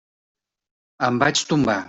Em vaig tombar.